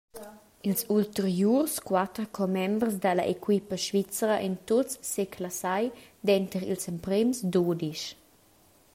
Ils ulteriurs quater commembers dalla equipa svizra ein tuts seclassai denter ils emprems dudisch.